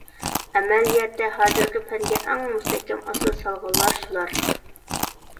ئەمەلىيەتتە، ھازىرقى پەنگە ئەڭ مۇستەھكەم ئاساس سالغانلار شۇلار.